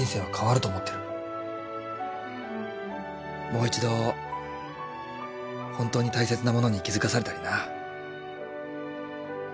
もう一度本当に大切なものに気付かされたりな。